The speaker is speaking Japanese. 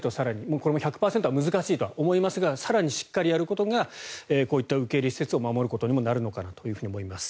これも１００％は難しいとは思いますが更にしっかりやることがこういった受け入れ施設を守ることにもなるのかなと思います。